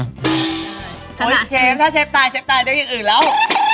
เชฟถ้าเชฟตายเชฟตายได้อย่างอื่นแล้ว